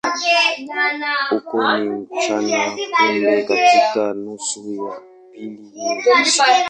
Huko ni mchana, kumbe katika nusu ya pili ni usiku.